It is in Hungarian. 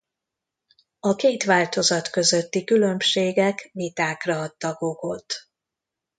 A két változat közötti különbségek vitákra adtak okot.